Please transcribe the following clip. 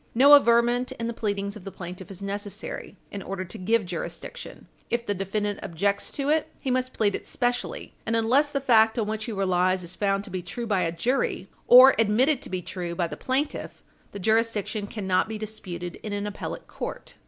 No averment in the pleadings of the plaintiff is necessary, in order to give jurisdiction. If the defendant objects to it, he must plead it specially, and unless the fact on which he relies is found to be true by a jury, or admitted to be true by the plaintiff, the jurisdiction cannot be disputed in an appellate court.